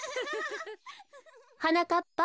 はなかっぱ。